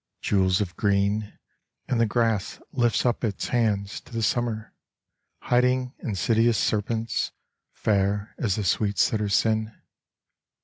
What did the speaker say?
Jewels of green, and the grass Lifts up its hands to the summer, Hiding insidious serpents, Fair as the sweets that are sin.